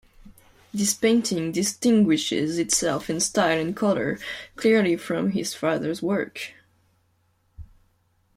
This painting distinguishes itself in style and colour clearly from his father's work.